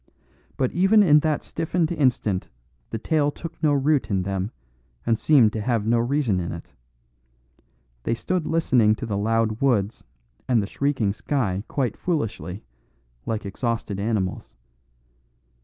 But even in that stiffened instant the tale took no root in them and seemed to have no reason in it. They stood listening to the loud woods and the shrieking sky quite foolishly, like exhausted animals.